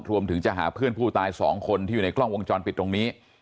รวมถึงจะหาเพื่อนผู้ตาย๒คนที่อยู่ในกล้องวงจรปิดตรงนี้